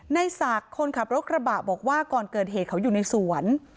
ในศักดิ์คนขับรถกระบะบอกว่าก่อนเกิดเหตุเขาอยู่ในสวน